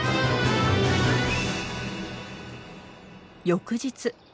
翌日。